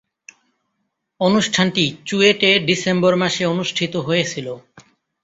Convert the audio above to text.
অনুষ্ঠানটি চুয়েটে ডিসেম্বর মাসে অনুষ্ঠিত হয়েছিলো।